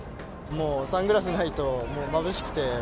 もうサングラスないと、もうまぶしくて。